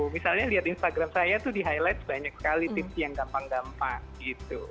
misalnya lihat instagram saya tuh di highlight banyak sekali tips yang gampang gampang gitu